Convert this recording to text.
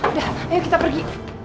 udah ayo kita pergi